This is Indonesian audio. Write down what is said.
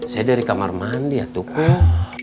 saya dari kamar mandi atukom